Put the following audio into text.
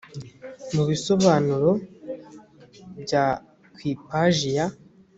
mu bisobanuro bya ku ipaji ya